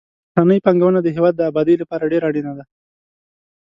بهرنۍ پانګونه د هېواد د آبادۍ لپاره ډېره اړینه ده.